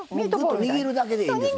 グッと握るだけでいいんですね。